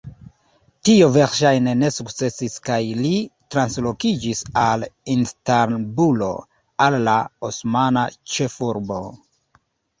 Tio verŝajne ne sukcesis kaj li translokiĝis al Istanbulo, al la osmana ĉefurbo.